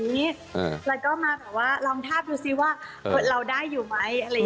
มาลองทาบดูด้วยว่าอยู่ไหม